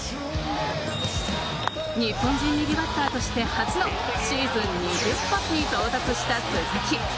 日本人右バッターとして初のシーズン２０発にも到達した鈴木。